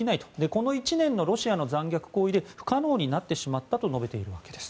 この１年のロシアの残虐行為で不可能になってしまったと述べているわけです。